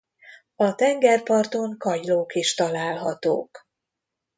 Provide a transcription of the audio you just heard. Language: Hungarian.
A tengerparton kagylók is találhatók.